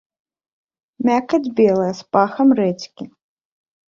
Мякаць белая, з пахам рэдзькі.